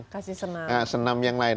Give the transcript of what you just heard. kasih senam yang lain